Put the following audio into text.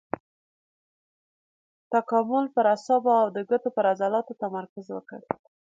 تکامل پر اعصابو او د ګوتو پر عضلاتو تمرکز وکړ.